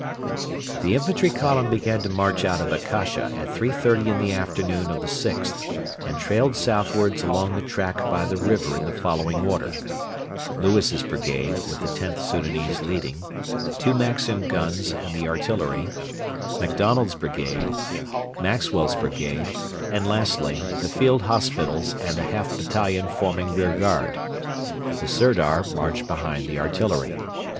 The infantry column began to march out of Akasha at 3.30 in the afternoon of the 6th, and trailed southwards along the track by the river in the following order: Lewis's brigade, with the Xth Soudanese leading; two Maxim guns and the artillery; MacDonald's brigade; Maxwell's brigade; and, lastly, the field hospitals and a half battalion forming rearguard. The Sirdar marched behind the artillery.